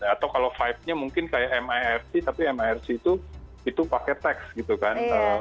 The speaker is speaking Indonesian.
atau kalau vibe nya mungkin kayak mirc tapi mirc itu pakai text gitu kan